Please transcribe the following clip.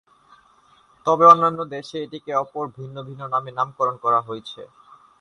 তবে, অন্যান্য দেশে এটিকে অপর ভিন্ন ভিন্ন নামে নামকরণ করা হয়েছে।